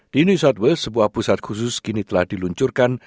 di new sudway sebuah pusat khusus kini telah diluncurkan